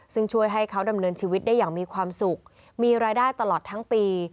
ซึ่งช่วยให้เขาดำเนินชีวิตได้อย่างมีความสุขมีรายได้ตลอดทั้งปี